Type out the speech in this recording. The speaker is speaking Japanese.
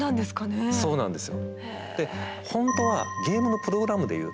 そうそう楽なんですよ。